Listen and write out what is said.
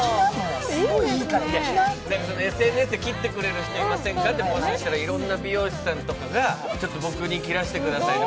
ＳＮＳで「切ってくれる人いませんか？」って募集したらいろんな美容師さんとかが僕に切らせてくださいって。